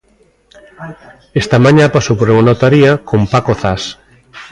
Esta mañá pasou por unha notaría con Paco Zas.